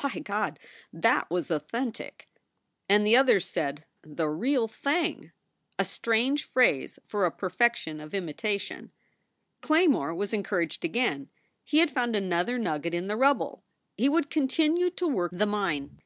"By God! that was authentic!" And the others said, "The real thing!" a strange phrase for a perfection of imitation. Claymore was encouraged again. He had found another nugget in the rubble. He would continue to work the mine.